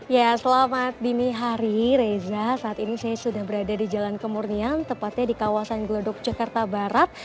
ya selamat dini hari reza saat ini saya sudah berada di jalan kemurnian tepatnya di kawasan glodok jakarta barat